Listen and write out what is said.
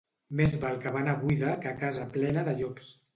Més val cabana buida que casa plena de llops.